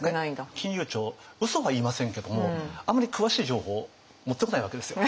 金融庁うそは言いませんけどもあんまり詳しい情報を持ってこないわけですよ。